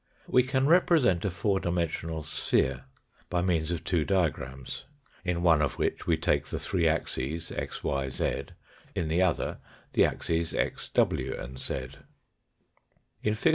We can represent a four dimensional sphere by means of two diagrams, in one of which we take the three axes, x, y, z; in the other the axes x, w, and z. In fig.